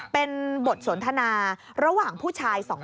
เป็นบทสนทนาระหว่างผู้ชายสองคน